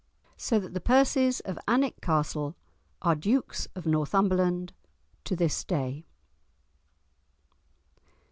So that the Percies of Alnwick Castle are Dukes of Northumberland to this day.